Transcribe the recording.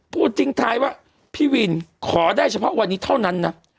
ทิ้งท้ายว่าพี่วินขอได้เฉพาะวันนี้เท่านั้นนะ